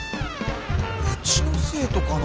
うちの生徒かな。